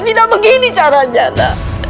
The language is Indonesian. tidak begini caranya nak